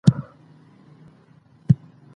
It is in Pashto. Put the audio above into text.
یووالي د ټولني د بریالیتوب کیلي ده.